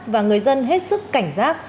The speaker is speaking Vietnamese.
và người dân hết sức cảnh giác